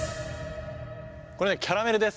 これキャラルです。